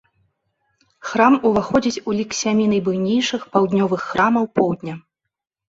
Храм уваходзіць у лік сямі найбуйнейшых паўднёвых храмаў поўдня.